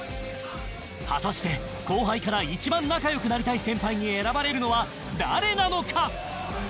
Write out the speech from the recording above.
果たして後輩から一番仲良くなりたい先輩に選ばれるのは誰なのか？